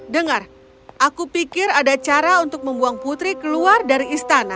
dengar aku pikir ada cara untuk membuang putri keluar dari istana